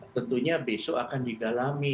tentunya besok akan digalami